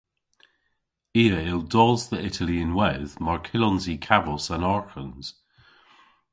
I a yll dos dhe Itali ynwedh mar kyllons i kavos an arghans.